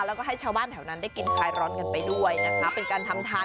แล้วให้เชาว่านแถวนานได้กินครายร้อนกันไปด้วยนะครับ